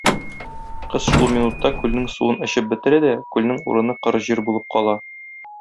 Кыз шул минутта күлнең суын эчеп бетерә дә күлнең урыны коры җир булып кала.